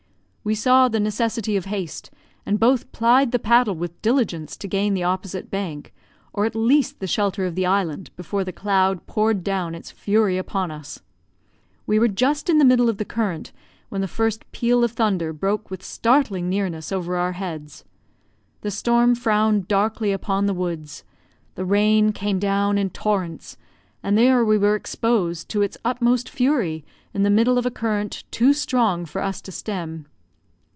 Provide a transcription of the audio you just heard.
We saw the necessity of haste, and both plied the paddle with diligence to gain the opposite bank, or at least the shelter of the island, before the cloud poured down its fury upon us. We were just in the middle of the current when the first peal of thunder broke with startling nearness over our heads. The storm frowned darkly upon the woods; the rain came down in torrents; and there were we exposed to its utmost fury in the middle of a current too strong for us to stem.